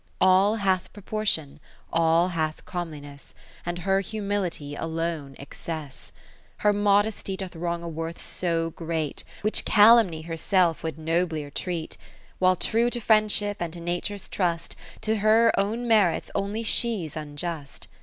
All hath proportion, all hath come liness, And her Humility alone excess. Her modesty doth wrong a worth so great, Which Calumny herself would noblier treat : 60 While true to Friendship and to Nature's trust, To her own merits only she 's un just.